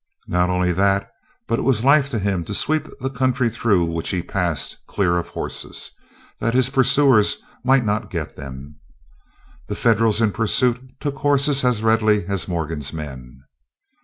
Not only that, but it was life to him to sweep the country through which he passed clear of horses, that his pursuers might not get them. The Federals in pursuit took horses as readily as Morgan's men.